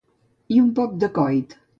I un poc de coit.